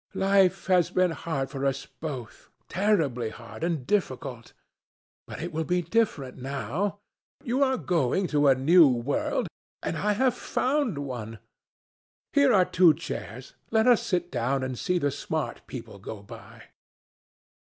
Life has been hard for us both, terribly hard and difficult. But it will be different now. You are going to a new world, and I have found one. Here are two chairs; let us sit down and see the smart people go by."